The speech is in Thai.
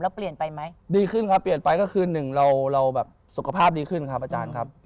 สุขภาพดีขึ้นครับอาจารย์ครับ